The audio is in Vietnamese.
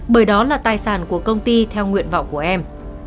bởi đó là tài sản của công ty theo nguyện vọng của em